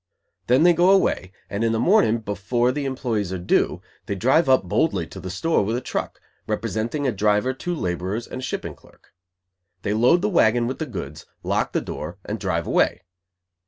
Then they go away, and, in the morning, before the employees are due, they drive up boldly to the store with a truck; representing a driver, two laborers, and a shipping clerk. They load the wagon with the goods, lock the door, and drive away.